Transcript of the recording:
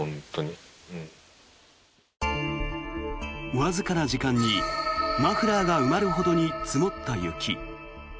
わずかな時間にマフラーが埋まるほどに積もった雪。